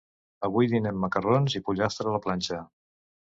Avui dinem macarrons i pollastre a la planxa.